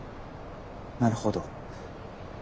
なるほど。